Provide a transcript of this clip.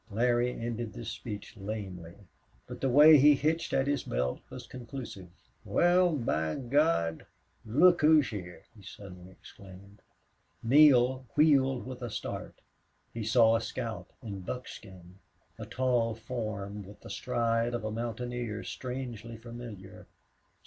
Larry ended this speech lamely, but the way he hitched at his belt was conclusive. "Wal, by Gawd! Look who's heah!" he suddenly exclaimed. Neale wheeled with a start. He saw a scout, in buckskin, a tall form with the stride of a mountaineer, strangely familiar.